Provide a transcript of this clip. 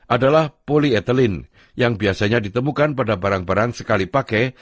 adalah polietelin yang biasanya ditemukan pada barang barang sekali pakai